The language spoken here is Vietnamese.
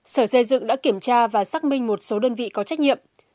sở xây dựng đã kiểm tra và xác minh một số đơn vị có trách nhiệm